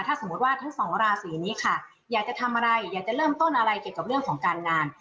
ถ้าสมมุติว่าทั้งสองราศีนี้ค่ะอยากจะทำอะไรอยากจะเริ่มต้นอะไรเกี่ยวกับเรื่องของการงาน